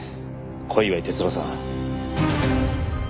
小祝哲郎さん。